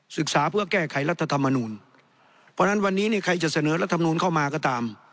ศึกษาเพื่อแก้ไขรัฐธรรมนูลเพราะฉะนั้นวันนี้เนี่ยใครจะเสนอรัฐมนูลเข้ามาก็ตาม